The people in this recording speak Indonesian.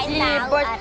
kirain tau bos